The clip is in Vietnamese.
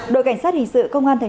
đội cảnh sát hình sự công an tp hcm